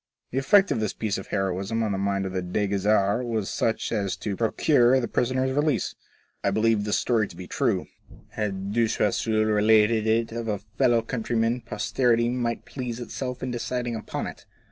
The effect of this piece of heroism on the mind of the Dey Ghezzar was such as to procure the prisoner's release. I believe this story to be true. Had De Choiseul related it of a fellow countryman posterity might please itself in deciding upon it.